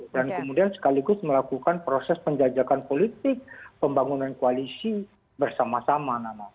dan kemudian sekaligus melakukan proses penjajakan politik pembangunan koalisi bersama sama nana